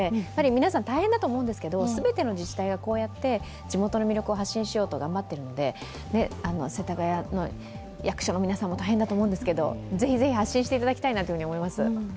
皆さん大変だと思うんですけど全ての自治体がこうやって地元の魅力を発信しようと頑張っているので、世田谷の役所の皆さんも大変だと思うんですけどぜひぜひ発信していただきたいなと思います。